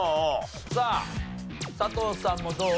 さあ佐藤さんもどう？